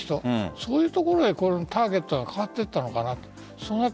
そういうところでターゲットが変わっていったのかなって。